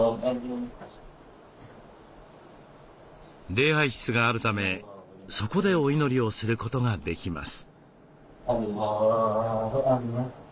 礼拝室があるためそこでお祈りをすることができます。